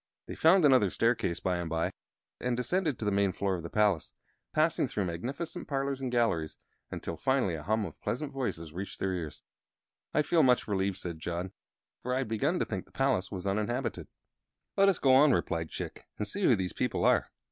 They found another staircase, by and by, and descended to the main floor of the palace, passing through magnificent parlors and galleries, until finally a hum of pleasant voices reached their ears. "I feel much relieved," said John, "for I had begun to think the place was uninhabited." "Let us go on," replied Chick, "and see who these people are."